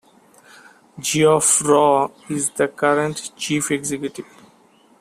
Geoff Raw is the current chief executive.